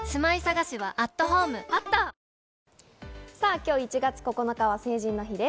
今日１月９日は成人の日です。